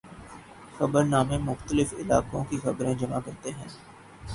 خبرنامے مختلف علاقوں کی خبریں جمع کرتے ہیں۔